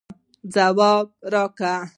ځواب راکړئ